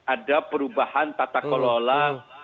ada perubahan tata kelola